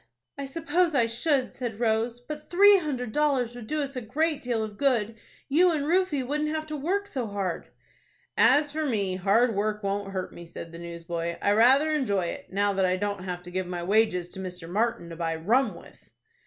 "I suppose I should," said Rose; "but three hundred dollars would do us a great deal of good. You and Rufie wouldn't have to work so hard." "As for me, hard work won't hurt me," said the newsboy. "I rather enjoy it, now that I don't have to give my wages to Mr. Martin to buy rum with."